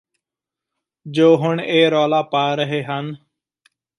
ਜੋ ਹੁਣ ਇਹ ਰੌਲਾ ਪਾ ਰਹੇ ਹਨ